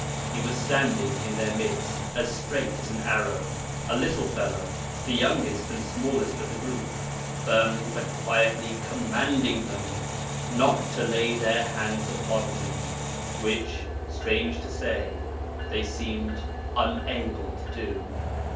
'He was standing in their midst as straight as an arrow a little fellow, the youngest and smallest of the group firmly but quietly commanding them not to lay their hands upon him, which, strange to say, they seemed unable to do.'